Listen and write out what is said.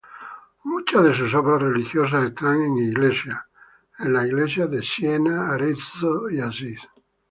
Muchas de sus obras religiosas están en iglesias de Siena, Arezzo, y Asís.